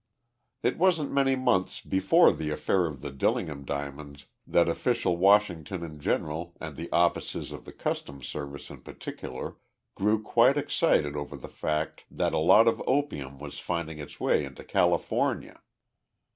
It wasn't many months before the affair of the Dillingham diamonds that official Washington in general and the offices of the Customs Service in particular grew quite excited over the fact that a lot of opium was finding its way into California.